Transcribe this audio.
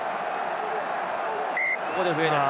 ここで笛です。